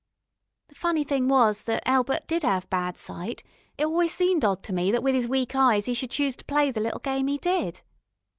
The funny thing was thet Elbert did 'ave bad sight, it always seemed odd to me thet with 'is weak eyes 'e should choose to play the little game 'e did.